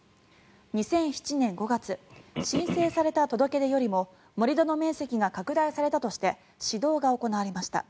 ２００７年５月申請された届け出よりも盛り土の面積が拡大されたとして指導が行われました。